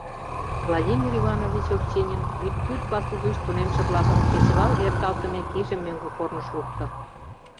Владимир Иванович Овчинин Вӱдтӱр пасу гыч тунемше-влакым кечывал эрталтымек иже мӧҥгӧ корныш лукто.